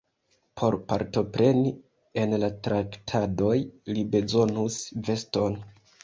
Por partopreni en la traktadoj, li bezonus veston.